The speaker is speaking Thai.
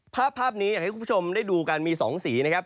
ภาพนี้อยากให้คุณผู้ชมได้ดูกันมี๒สีนะครับ